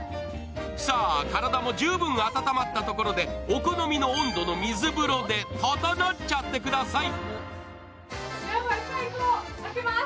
さあ体も十分温まったところでお好みの温度の水風呂でととのっちゃってください。